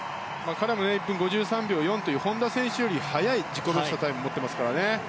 彼も１分５３秒４という本多選手よりも速い自己ベストタイムを持っています。